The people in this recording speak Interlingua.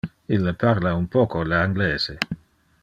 Ille parla un poco le anglese.